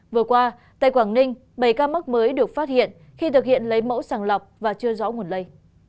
vừa qua tại quảng ninh bảy ca mắc mới được phát hiện khi thực hiện lấy mẫu sàng lọc và chưa rõ nguồn lây